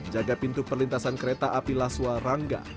jaga pintu perlintasan kereta api laswa rangga